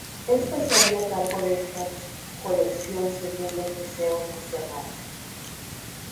Esta se haría cargo de estas colección según los deseos de su hermana.